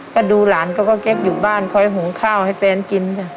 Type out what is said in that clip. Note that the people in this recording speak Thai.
ก็ดูหลานเขาก็เก็บอยู่บ้านคอยหุงข้าวให้แฟนกินจ้ะ